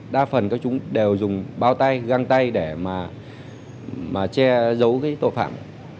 đa phần chúng đều dùng bao tay găng tay để mà che dấu tội phạm